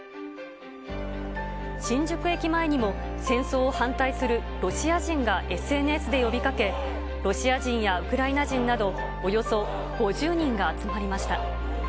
新宿駅前にも、戦争を反対するロシア人がＳＮＳで呼びかけ、ロシア人やウクライナ人など、およそ５０人が集まりました。